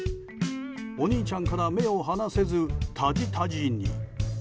お兄ちゃんから目を離せずたじたじに。